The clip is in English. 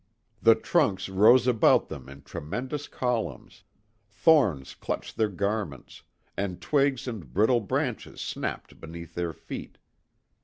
The trunks rose about them in tremendous columns; thorns clutched their garments, and twigs and brittle branches snapped beneath their feet.